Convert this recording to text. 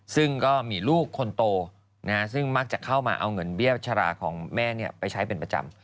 ซึ่งก็มีลูกคนโตซึ่งมักจะเข้ามาเอาเงินเบี้ยวชราของแม่ไปใช้เป็นประจำ